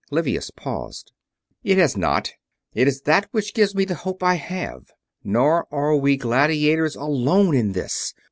Livius paused. "It has not. It is that which gives me the hope I have. Nor are we gladiators alone in this.